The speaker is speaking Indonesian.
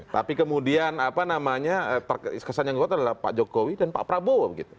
tapi kemudian apa namanya kesan yang kuat adalah pak jokowi dan pak prabowo